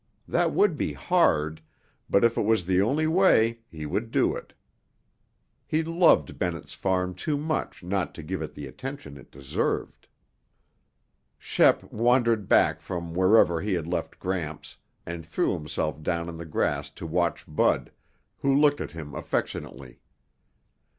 That would be hard, but if it was the only way, he would do it. He loved Bennett's Farm too much not to give it the attention it deserved. Shep wandered back from wherever he had left Gramps and threw himself down in the grass to watch Bud, who looked at him affectionately.